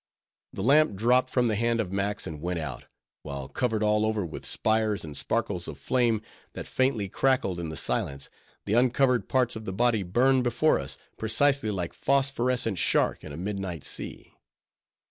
The lamp dropped from the hand of Max, and went out; while covered all over with spires and sparkles of flame, that faintly crackled in the silence, the uncovered parts of the body burned before us, precisely like phosphorescent shark in a midnight sea.